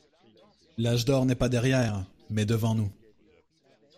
L'âge d'or n'est pas derrière, mais devant nous.